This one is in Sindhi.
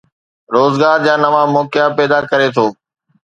روزگار جا نوان موقعا پيدا ڪري ٿو.